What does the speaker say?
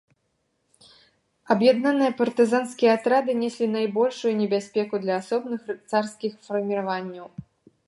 Аб'яднаныя партызанскія атрады неслі найбольшую небяспеку для асобных царскіх фарміраванняў.